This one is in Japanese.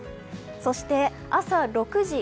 そして朝６時。